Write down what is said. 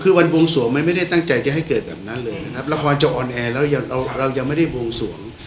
คือวันวงสวงไม่ได้ทั้งใจให้ให้เกิดแบบนั้นเลยละครจะออนแอร์แล้วยังไม่ได้วงสวง